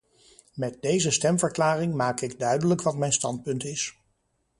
Met deze stemverklaring maak ik duidelijk wat mijn standpunt is.